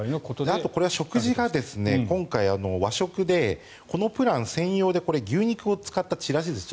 あと食事が今回、和食でこのプラン専用で牛肉を使ったちらし寿司。